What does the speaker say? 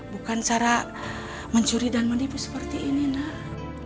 bukan cara mencuri dan menipu seperti ini nak